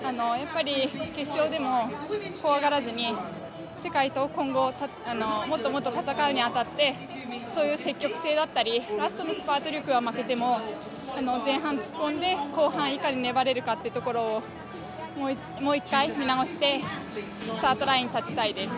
決勝でも怖がらずに世界と今後、もっともっと戦うに当たってそういう積極性だったりラストのスパート力は負けても前半突っ込んで、後半いかに粘れるかというところを、もう一回、見直して、スタートラインに立ちたいです。